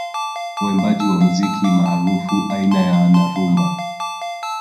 Waimbaji wa muziki maarufu aina ya na rumba